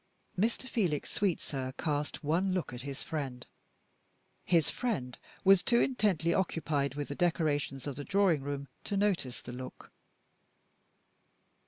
Mr. Felix Sweetsir cast one look at his friend. His friend was too intently occupied with the decorations of the drawing room to notice the look.